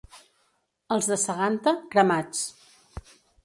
Els de Seganta, cremats.